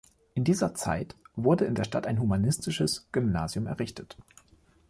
In dieser Zeit wurde in der Stadt ein humanistisches Gymnasium errichtet.